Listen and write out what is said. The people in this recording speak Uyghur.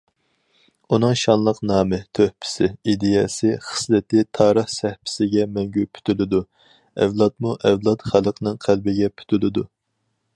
ئۇنىڭ شانلىق نامى، تۆھپىسى، ئىدىيەسى، خىسلىتى تارىخ سەھىپىسىگە مەڭگۈ پۈتۈلىدۇ، ئەۋلادمۇئەۋلاد خەلقنىڭ قەلبىگە پۈتۈلىدۇ.